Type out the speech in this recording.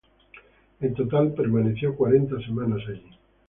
En total, permaneció cuarenta semanas allí.